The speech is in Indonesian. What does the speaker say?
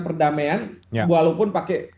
perdamaian walaupun pakai